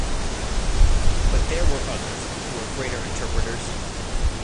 But there were others who were greater interpreters.